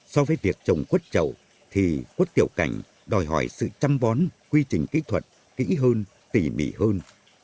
so với việc trồng quất chậu thì quất tiểu cảnh đòi hỏi sự chăm bón quy trình kỹ thuật kỹ hơn tỉ mỉ hơn